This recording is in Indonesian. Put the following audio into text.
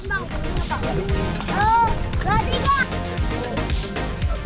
tengah tengah pak